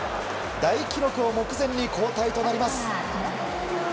大記録を目前に交代となります。